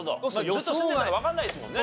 ずっと住んでたらわかんないですもんね。